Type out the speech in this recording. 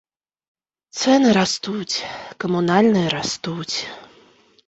Цэны растуць, камунальныя растуць.